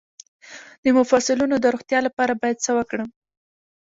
د مفصلونو د روغتیا لپاره باید څه وکړم؟